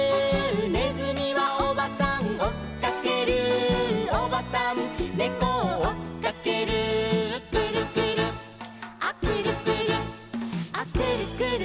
「ねずみはおばさんおっかける」「おばさんねこをおっかける」「くるくるアくるくるア」「くるくるマンボウ！」